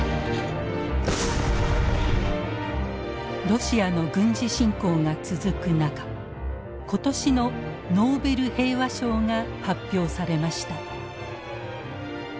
ロシアの軍事侵攻が続く中今年のノーベル平和賞が発表されました。